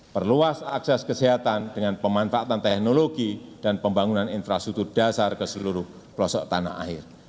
perluas akses kesehatan dengan pemanfaatan teknologi dan pembangunan infrastruktur dasar ke seluruh pelosok tanah air